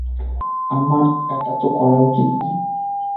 আমার এটা তো করা উচিত নয়।